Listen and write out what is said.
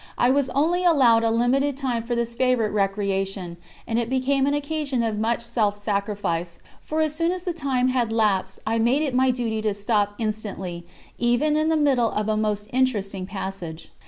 I was only allowed a limited time for this favourite recreation, and it became an occasion of much self sacrifice, for as soon as the time had elapsed I made it my duty to stop instantly, even in the middle of a most interesting passage.